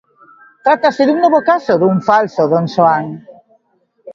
Trátase dun novo caso dun falso donxoán.